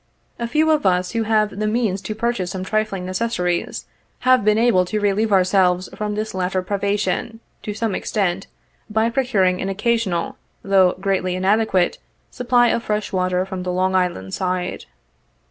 A few of us, who have the means to purchase some trifling necessaries, have been able to relieve ourselves from this latter privation, to some extent, by procuring an occasional, though greatly inadequate, supply of fresh water from the Long Island side.